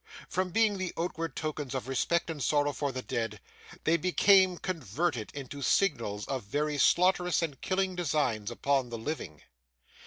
From being the outward tokens of respect and sorrow for the dead, they became converted into signals of very slaughterous and killing designs upon the living.